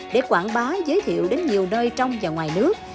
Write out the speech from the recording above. để quảng bá giới thiệu đến nhiều nơi trong và ngoài nước